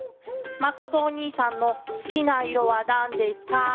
「まことおにいさんのすきないろはなんですか？」。